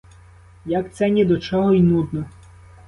Як це ні до чого й нудно!